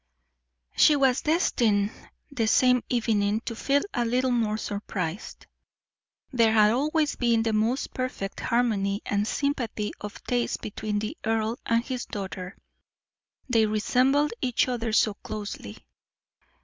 She was destined the same evening to feel a little more surprised. There had always been the most perfect harmony and sympathy of taste between the earl and his daughter, they resembled each other so closely.